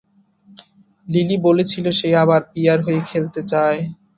Lily বলেছিল সে আবার পিয়া'র হয়ে খেলতে চায়।